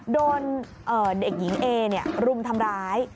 โดนเด็กหญิงเอรุมทำร้าย